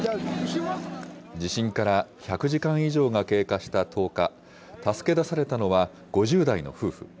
地震から１００時間以上が経過した１０日、助け出されたのは５０代の夫婦。